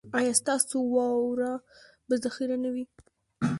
ایا ستاسو واوره به ذخیره نه وي؟